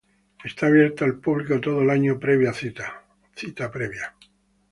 Está abierto al público todo el año previa cita.